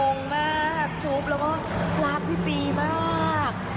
งงมากจุ๊บแล้วก็รักพี่ปีมาก